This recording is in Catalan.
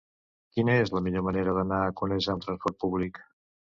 Quina és la millor manera d'anar a Conesa amb trasport públic?